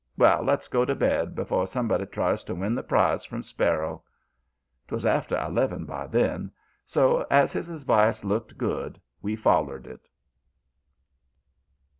Well, let's go to bed before somebody tries to win the prize from Sparrow." 'Twas after eleven by then, so, as his advice looked good, we follered it.